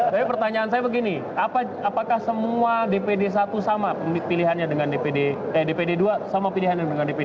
tapi pertanyaan saya begini apakah semua dpd satu sama pilihannya dengan dpd dua sama pilihannya dengan dpd